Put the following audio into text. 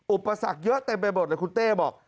อุปสรรคเยอะเต็มไปหมดเลยคุณเต้บอก